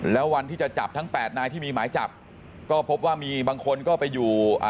แล้ววันที่จะจับทั้งแปดนายที่มีหมายจับก็พบว่ามีบางคนก็ไปอยู่อ่า